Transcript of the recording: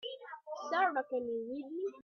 Sara can you read me?